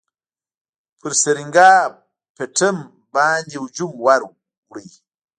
پر سرینګا پټم باندي هجوم ورووړ.